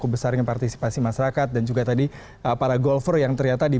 undang undang mana yang melarang itu